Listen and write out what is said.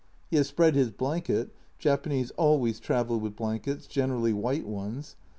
He has spread his blanket (Japanese always travel with blankets, generally white ones